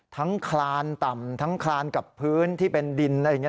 ทั้งคลานต่ำทั้งคลานกับพื้นที่เป็นดิน